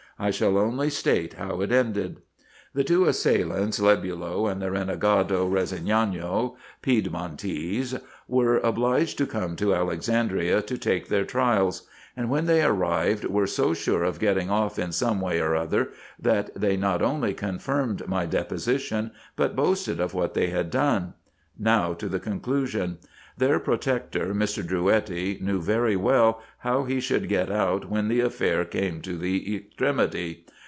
I shall only state how it ended. The two assailants, Lebulo and the renegado Eosignano, Pied montese, were obliged to come to Alexandria, to take their trials ; and when they arrived, were so sure of getting off in some way or other, that they not only confirmed my deposition, but boasted of what they had done. Now to the conclusion. Their protector, Mr. Drouetti, knew very well how he should get out when the affair came to the extremity.